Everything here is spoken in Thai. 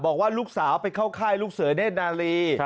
บอกว่าลูกสาวไปเข้าค่ายลูกเสือเนธนาลี